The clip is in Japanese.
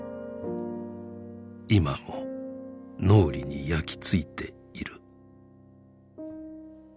今も脳裏に焼きついている」。